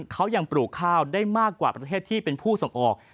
เขายังปลูกข้าวได้มากกว่าประเทศที่เป็นผู้ส่งออก